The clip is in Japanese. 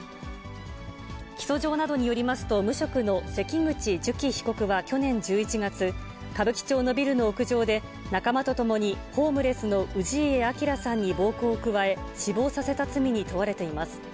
起訴状などによりますと、無職の関口寿喜被告は去年１１月、歌舞伎町のビルの屋上で、仲間と共にホームレスの氏家彰さんに暴行を加え、死亡させた罪に問われています。